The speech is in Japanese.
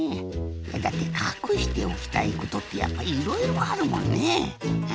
だってかくしておきたいことってやっぱいろいろあるもんね。